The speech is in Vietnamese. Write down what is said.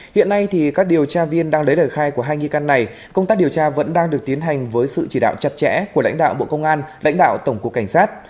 hiện nay các điều tra viên đang lấy lời khai của hai nghi can này công tác điều tra vẫn đang được tiến hành với sự chỉ đạo chặt chẽ của lãnh đạo bộ công an lãnh đạo tổng cục cảnh sát